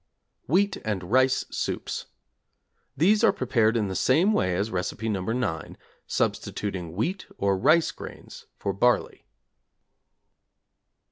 =Wheat and Rice Soups= These are prepared in the same way as Recipe No. 9, substituting wheat or rice grains for barley.